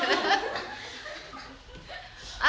「あ」